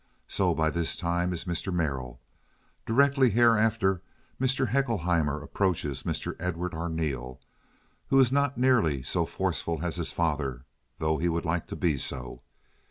So, by this time, is Mr. Merrill. Directly hereafter Mr. Haeckelheimer approaches Mr. Edward Arneel, who is not nearly so forceful as his father, though he would like to be so.